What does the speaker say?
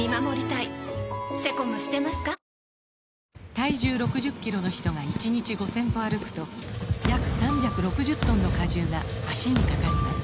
体重６０キロの人が１日５０００歩歩くと約３６０トンの荷重が脚にかかります